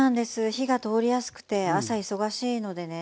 火が通りやすくて朝忙しいのでね